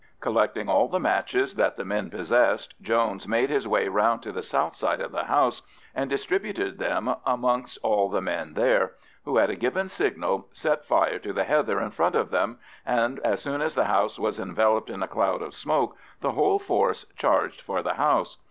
Collecting all the matches that the men possessed, Jones made his way round to the south side of the house, and distributed them amongst all the men there, who, at a given signal, set fire to the heather in front of them, and as soon as the house was enveloped in a cloud of smoke, the whole force charged for the house.